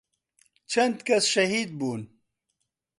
چەند کەس شەهید بوون